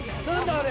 あれ。